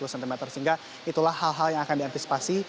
sehingga itulah hal hal yang akan diantisipasi